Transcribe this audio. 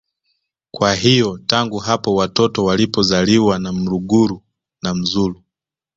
Kwa hiyo tangu hapo watoto walipozaliwa na mluguru na mzulu